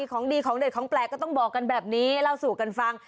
ของดีของเด็ดของแปลกก็ต้องบอกกันแบบนี้เล่าสู่กันฟัง